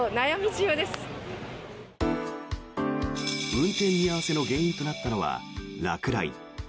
運転見合わせの原因となったのは、落雷。